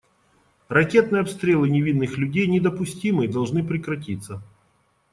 Ракетные обстрелы невинных людей недопустимы и должны прекратиться.